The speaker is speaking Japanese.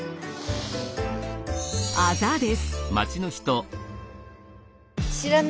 あざです。